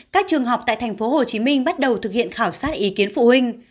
các trường học tại tp hcm bắt đầu thực hiện khảo sát ý kiến phụ huynh